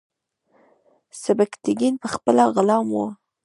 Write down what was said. سبکتیګن پخپله غلام و.